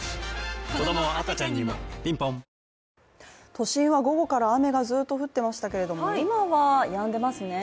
都心は午後から雨がずっと降っていましたけれども、今は、やんでいますね。